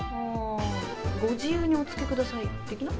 ご自由におつけください的な？